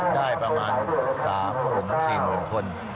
ได้ประมาณ๓หมื่นมี๔หมื่นคน